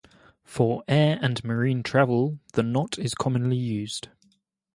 For air and marine travel the knot is commonly used.